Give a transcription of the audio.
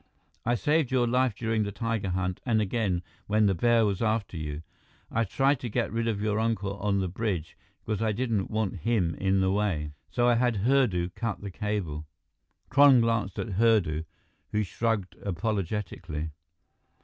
I saved your life during the tiger hunt, and again, when the bear was after you. I tried to get rid of your uncle on the bridge, because I didn't want him in the way. So I had Hurdu cut the cable." Kron glanced at Hurdu, who shrugged apologetically.